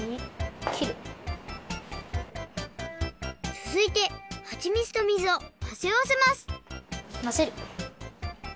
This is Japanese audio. つづいてはちみつと水をまぜあわせますまぜる。